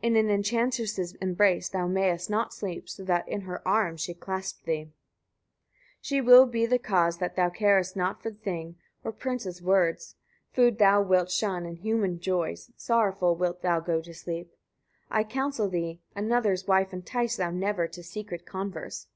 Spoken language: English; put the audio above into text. In an enchantress's embrace thou mayest not sleep, so that in her arms she clasp thee. 116. She will be the cause that thou carest not for Thing or prince's words; food thou wilt shun and human joys; sorrowful wilt thou go to sleep. 117. I counsel thee, etc. Another's wife entice thou never to secret converse.